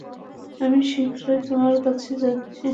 আমি শীঘ্রই তোমার কাছে যাচ্ছি।